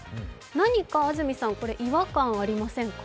何か、安住さん違和感ありませんか？